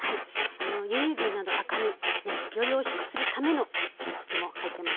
輸入牛など赤身ねよりおいしくするためのコツも入ってますので。